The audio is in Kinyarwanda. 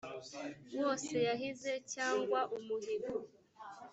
wose yahize cyangwa umuhigo